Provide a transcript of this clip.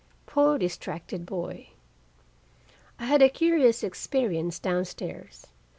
Poor distracted boy! I had a curious experience down stairs.